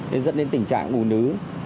nên dẫn đến tình trạng ngủ nứ